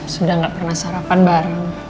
sudah nggak pernah sarapan bareng